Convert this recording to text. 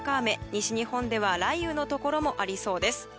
西日本では雷雨のところもありそうです。